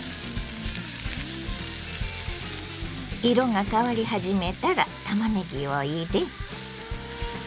色が変わり始めたらたまねぎを入れ。